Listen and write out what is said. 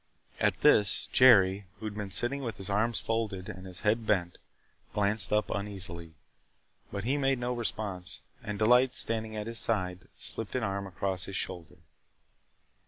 At this, Jerry, who had been sitting with his arms folded and his head bent, glanced up uneasily. But he made no response. And Delight, standing at his side, slipped an arm across his shoulder.